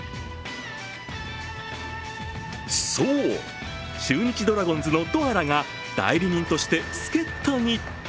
そう、中日ドラゴンズのドアラが代理人として助っとに。